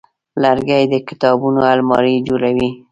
لرګی د کتابونو المارۍ جوړوي.